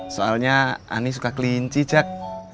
soalnya ani suka kelinci cak